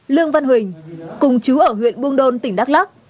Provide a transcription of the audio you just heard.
lương văn huỳnh cùng chú ở huyện buôn đôn tỉnh đắk lắc